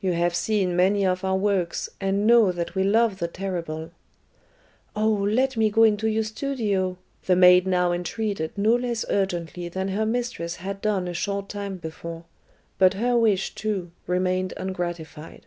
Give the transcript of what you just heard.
You have seen many of our works, and know that we love the terrible." "Oh, let me go into your studio!" the maid now entreated no less urgently than her mistress had done a short time before, but her wish, too, remained ungratified.